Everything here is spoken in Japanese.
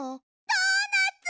ドーナツ！